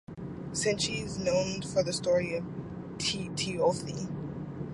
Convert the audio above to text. Sinchi is known for the story of Teuotihi.